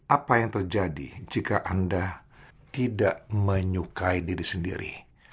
apa yang terjadi jika anda tidak menyukai diri sendiri